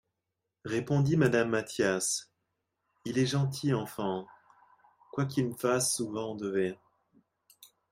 repondit Madame Mathias, il est gentil enfant, quoiqu'il me fasse souvent endever.